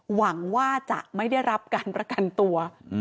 หวังว่าจะไม่ได้รับการประกันตัว